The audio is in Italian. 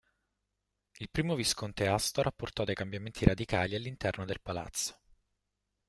Il I visconte Astor apportò dei cambiamenti radicali all'interno del palazzo.